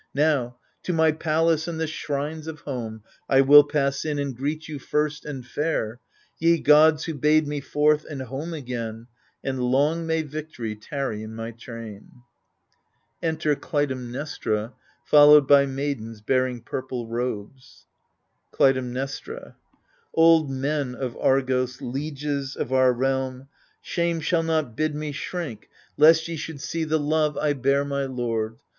Now, to my palace and the shrines of home, I will pass in, and greet you first and fair, Ye gods, who bade me forth, and home again — And long may Victory tarry in my train I [JSn^er Clytemnestra^ followed by maidens bearing purple robes, Clytemnestra Old men of Argos, lieges of our realm. Shame shall not bid me shrink lest ye should see 38 AGAMEMNON ' The love I bear my lord.